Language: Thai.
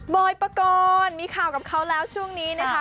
อยปกรณ์มีข่าวกับเขาแล้วช่วงนี้นะคะ